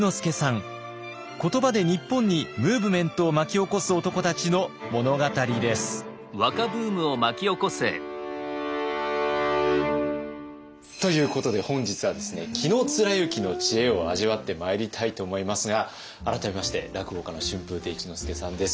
言葉で日本にムーブメントを巻き起こす男たちの物語です。ということで本日はですね紀貫之の知恵を味わってまいりたいと思いますが改めまして落語家の春風亭一之輔さんです。